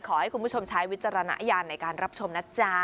ขอให้คุณผู้ชมใช้วิจารณญาณในการรับชมนะจ๊ะ